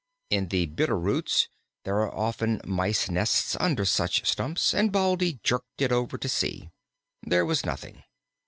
In the Bitter roots there are often mice nests under such stumps, and Baldy jerked it over to see. There was nothing.